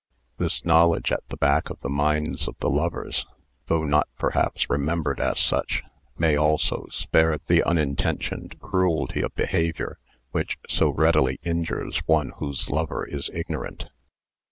This knowledge at the back of the minds of the lovers, though not perhaps remembered as such, may also spare the unintentioned cruelty of behaviour which so readily injures one whose lover is ignorant.